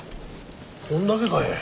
こんだけかえ。